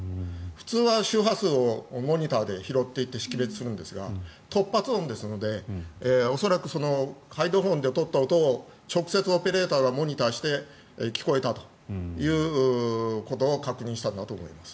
普通は周波数をモニターで拾って識別するんですが突発オンですのでハイドロフォンでとった音を直接オペレーターがモニターして聞こえたということを確認したんだと思います。